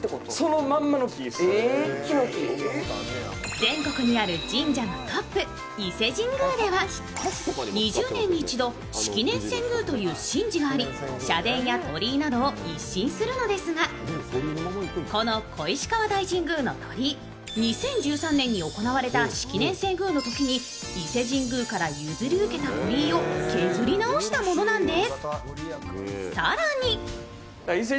全国にある神社のトップ・伊勢神宮では２０年に一度、式年遷宮という神事があり社殿や鳥居などを一新するのですが、この小石川大神宮の鳥居、２０１３年に行われた式年遷宮のときに伊勢神宮から譲り受けた鳥居を削り直したものなんです。